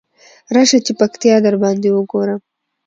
راشی چی پکتيا درباندې وګورم.